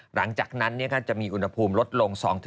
หลังจากนั้นจะมีอุณหภูมิลดลง๒